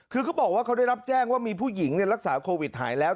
เค้าบอกบางทีก็ได้รับแจ้งว่ามีผู้หญิงรักษาโควิดหายแล้ว